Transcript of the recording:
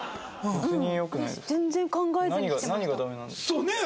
そうねえ！